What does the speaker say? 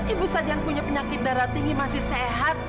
ibu saja yang punya penyakit darah tinggi masih sehat